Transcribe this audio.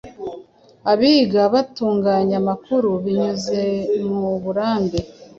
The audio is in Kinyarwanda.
Abiga batunganya amakuru binyuze muburambe